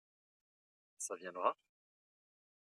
Ça viendra ?